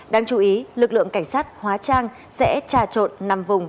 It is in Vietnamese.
đáng chú ý lực lượng cảnh sát hóa trang sẽ trà trộn năm vùng